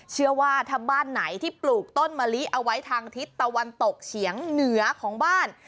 เชื่อว่าถ้าบ้านไหนที่ปลูกต้นมะลิเอาไว้ทางทิศตะวันตกเฉียงเหนือของบ้าน